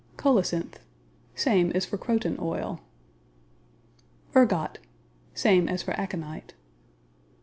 Colocynth Same as for croton oil. Ergot Same as for aconite.